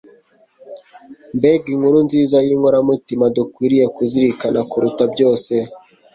Mbeginkuru nziza yinkoramutima dukwiriye kuzirikana kuruta byose